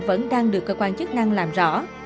vẫn đang được cơ quan chức năng làm rõ